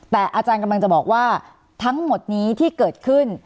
แต่อาจารย์กำลังจะบอกว่าทั้งหมดนี้ที่เกิดขึ้น